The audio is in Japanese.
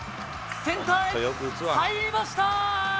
センターへ、入りました！